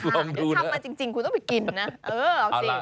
เดี๋ยวทำมาจริงคุณต้องไปกินนะเออเอาสิ